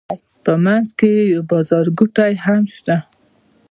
په منځ کې یې یو بازارګوټی هم شته.